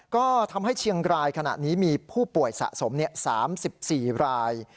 ก็ทำให้เชียงรายขณะนี้มีผู้ป่วยสะสม๓๔ราย